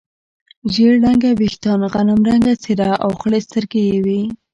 ژړ رنګه وریښتان، غنم رنګه څېره او خړې سترګې یې وې.